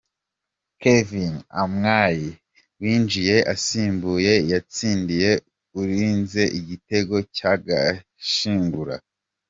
Kevin Amwayi winjiye asimbuye yatsindiye Ulinzie igitego cy’agashingura .